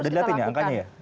sudah dilihatin ya angkanya ya